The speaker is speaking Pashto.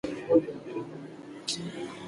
خبري ناسته په ژوندۍ بڼه خپریږي.